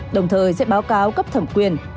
đồng thời sẽ báo cáo cấp thẩm quyền